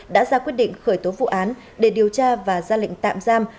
đã ra quyết định khởi tố vụ án để điều tra và ra lệnh tạm giam